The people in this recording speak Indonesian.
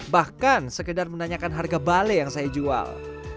bahkan sekedar menanyakan harga balai yang saya jual